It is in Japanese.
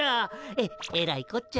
ええらいこっちゃ。